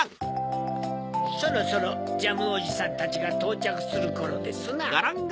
そろそろジャムおじさんたちがとうちゃくするころですな。